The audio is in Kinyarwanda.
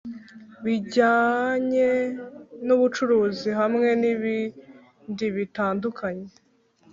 Bijyanye n ubucuruzi hamwe nibindibitandukanye